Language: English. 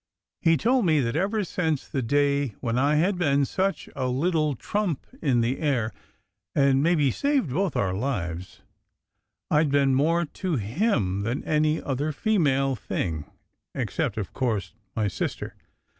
He told me that ever since the day when I had been " such a little trump in the air, and may be saved both our lives," I d been more to him than any other female thing, except, of course, my sister.